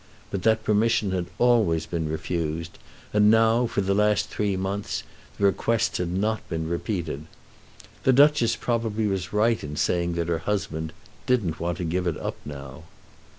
But that permission had always been refused, and now, for the last three months, the request had not been repeated. The Duchess probably was right in saying that her husband "didn't want to give it up now."